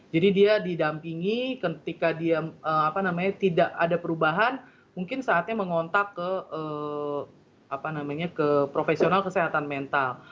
jadi dia didampingi ketika dia tidak ada perubahan mungkin saatnya mengontak ke profesional kesehatan mental